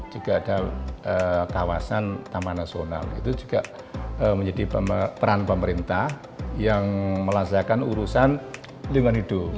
juga ada kawasan taman nasional itu juga menjadi peran pemerintah yang melazakan urusan lingkungan hidup